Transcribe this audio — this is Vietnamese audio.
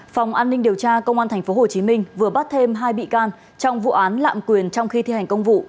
phòng an ninh điều tra công an tp hcm vừa bắt thêm hai bị can trong vụ án lạm quyền trong khi thi hành công vụ